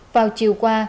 vào chiều qua